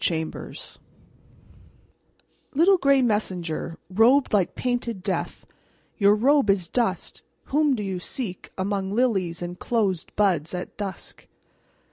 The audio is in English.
CHAMBERS Little gray messenger, Robed like painted Death, Your robe is dust. Whom do you seek Among lilies and closed buds At dusk?